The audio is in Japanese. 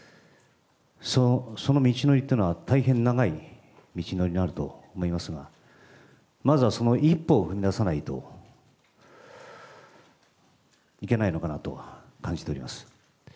その道のりっていうのは、大変長い道のりになると思いますが、まずはその一歩を踏み出さないといけないのかなと感じております。